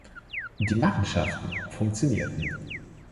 Die Machenschaften funktionierten.